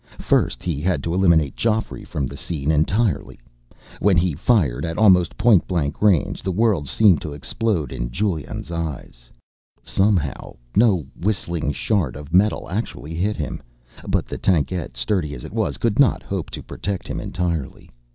First he had to eliminate Geoffrey from the scene entirely. When he fired, at almost point blank range, the world seemed to explode in Giulion's eyes. [Illustration: Illustrated by Ed Emsh] Somehow, no whistling shard of metal actually hit him. But the tankette, sturdy as it was, could not hope to protect him entirely.